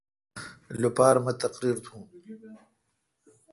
لوپارہ مہ تقریر تھون۔